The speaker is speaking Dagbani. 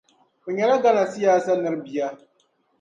O nyɛla Ghana siyaasa nira bia,